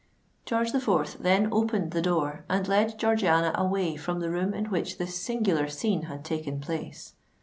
George the Fourth then opened the door, and led Georgiana away from the room in which this singular scene had taken place.